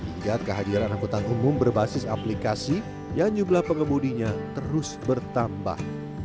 hingga kehadiran angkutan umum berbasis aplikasi yang jumlah pengemudinya terus bertambah